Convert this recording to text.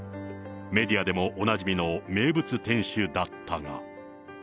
メディアでもおなじみの名物店主だったが。